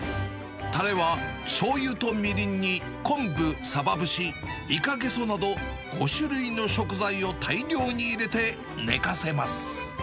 たれはしょうゆとみりんに昆布、サバ節、イカゲソなど、５種類の食材を大量に入れて寝かせます。